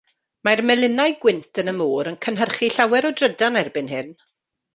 Mae'r melinau gwynt yn y môr yn cynhyrchu llawer o drydan erbyn hyn.